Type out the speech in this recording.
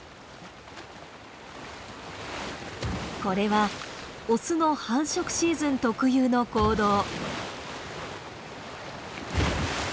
これはオスの繁殖シーズン特有の行動。